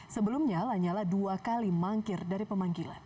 sebelumnya lanyala dua kali mangkir dari pemanggilan